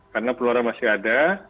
karena penularan masih ada